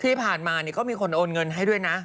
ที่ผ่านมาก็มีคนโอนเงินให้ด้วยนะ